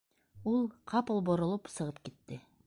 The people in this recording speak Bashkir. Ул, ҡапыл боролоп, сығып китте.